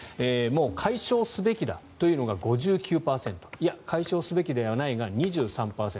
解消すべきだというのが５９％いや、解消すべきではないが２３％。